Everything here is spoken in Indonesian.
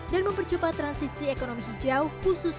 dan mempercoba transisi ekonomi hijau